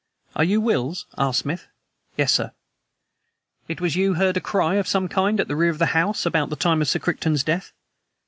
"Are you Wills?" asked Smith. "Yes, sir." "It was you who heard a cry of some kind at the rear of the house about the time of Sir Crichton's death?"